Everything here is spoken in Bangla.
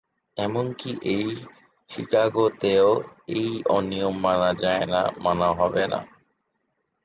এমনকি এই শিকাগোতেও এই অনিয়ম মানা যায় না, মানা হবে না!